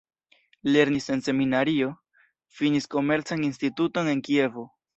Lernis en seminario, finis Komercan Instituton en Kievo.